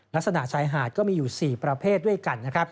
ลักษณะชายหาดก็มีอยู่๔ประเภทด้วยกันนะครับ